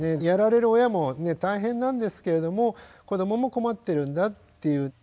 やられる親も大変なんですけれども子どもも困ってるんだっていう。